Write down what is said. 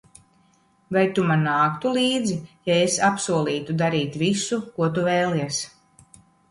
Vai Tu man nāktu līdzi, ja es apsolītu darīt visu, ko Tu vēlies?